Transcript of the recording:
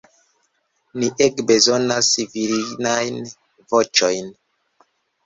Ni ege bezonas virinajn voĉojn.